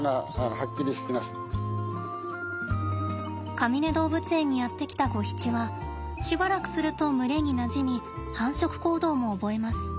かみね動物園にやって来たゴヒチはしばらくすると群れになじみ繁殖行動も覚えます。